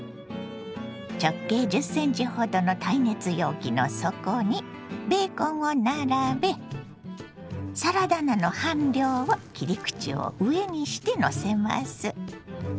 直径１０ｃｍほどの耐熱容器の底にベーコンを並べサラダ菜の半量を切り口を上にしてのせます。